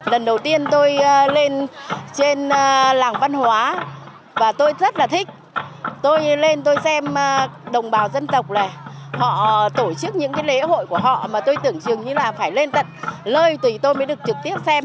lần đầu tiên tôi lên trên làng văn hóa và tôi rất là thích tôi lên tôi xem đồng bào dân tộc này họ tổ chức những lễ hội của họ mà tôi tưởng chừng như là phải lên tận lơi tùy tôi mới được trực tiếp xem